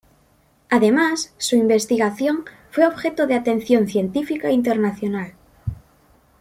Además, su investigación fue objeto de atención científica internacional.